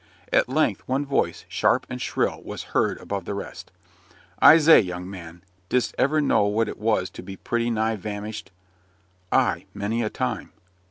At length one voice, sharp and shrill, was heard above the rest. "I zay, young man, didst ever know what it was to be pretty nigh vamished?" "Ay, many a time."